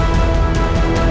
aku pengen urusin